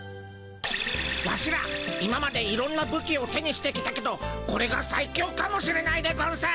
ワシら今までいろんなぶきを手にしてきたけどこれがさい強かもしれないでゴンス。